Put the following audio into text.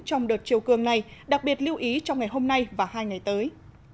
trong đợt chiều cường này đặc biệt lưu ý trong ngày hôm nay và hai ngày tới